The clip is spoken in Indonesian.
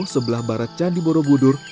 sebelah barat candi borobudur